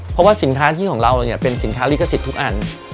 เพราะว่าสินค้าที่ของเราเนี่ยเป็นสินค้าลิขสิทธิ์ทุกอัน